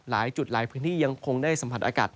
หลายจุดหลายพื้นที่ยังคงได้สัมผัสอากาศ